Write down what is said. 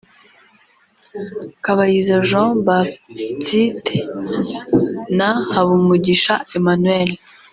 Kabayiza Jean Baptsite na Hamubugisha Emmanuel